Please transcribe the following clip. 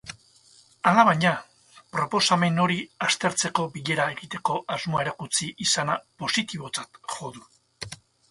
Alabaina, proposamen hori aztertzeko bilera egiteko asmoa erakutsi izana positibotzat jo du.